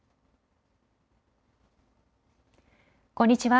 こんにちは。